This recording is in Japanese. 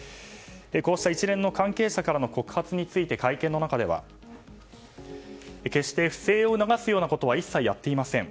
こうした一連の関係者からの告発について会見の中では決して不正を促すようなことは一切やっていません。